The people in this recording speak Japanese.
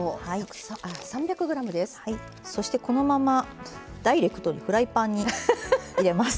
そしてこのままダイレクトにフライパンに入れます。